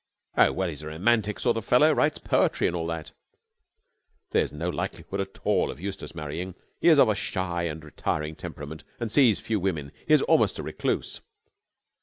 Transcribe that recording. "Oh, well, he's a romantic sort of fellow. Writes poetry and all that." "There is no likelihood at all of Eustace marrying. He is of a shy and retiring temperament and sees few women. He is almost a recluse."